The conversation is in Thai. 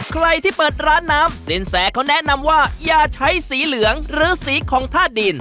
ใครที่เปิดร้านน้ำสินแสเขาแนะนำว่าอย่าใช้สีเหลืองหรือสีของธาตุดิน